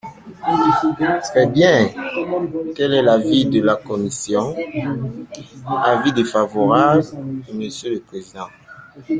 Très bien ! Quel est l’avis de la commission ? Avis défavorable, monsieur le président.